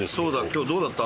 今日どうだった？